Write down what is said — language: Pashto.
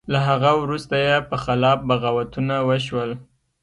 له هغه وروسته یې په خلاف بغاوتونه وشول.